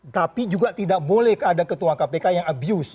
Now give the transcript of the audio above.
tapi juga tidak boleh ada ketua kpk yang abuse